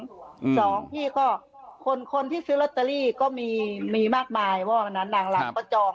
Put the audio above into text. สองพี่ก็คนคนที่ซื้อลอตเตอรี่ก็มีมีมากมายว่าวันนั้นนางลำก็จอง